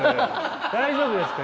大丈夫ですか？